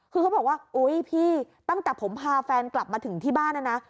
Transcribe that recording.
คือเขาบอกว่าอุ๊ยพี่ตั้งแต่ผมพาแฟนกลับมาถึงที่บ้านนะนะ